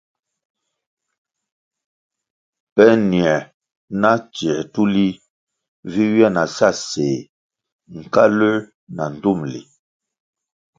Pe nier na tsier tulih vi ywia na sa séh, nkaluer na ndtumli.